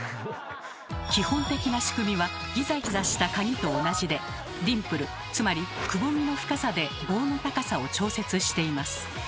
基本的な仕組みはギザギザした鍵と同じでディンプルつまりくぼみの深さで棒の高さを調節しています。